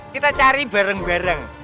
kita cari bareng bareng